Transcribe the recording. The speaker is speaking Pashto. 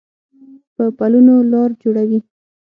په پلونو لار جوړوي